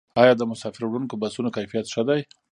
آیا د مسافروړونکو بسونو کیفیت ښه دی؟